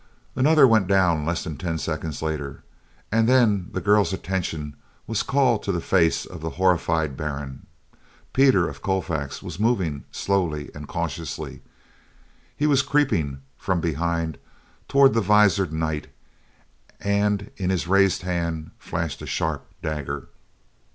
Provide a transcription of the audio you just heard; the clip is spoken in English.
Another went down less than ten seconds later, and then the girl's attention was called to the face of the horrified Baron; Peter of Colfax was moving—slowly and cautiously, he was creeping, from behind, toward the visored knight, and in his raised hand flashed a sharp dagger.